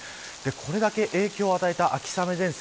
これだけ影響を与えた秋雨前線。